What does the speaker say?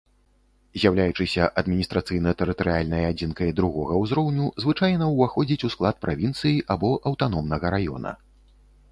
З'яўляючыся адміністрацыйна-тэрытарыяльнай адзінкай другога ўзроўню, звычайна ўваходзіць у склад правінцыі або аўтаномнага раёна.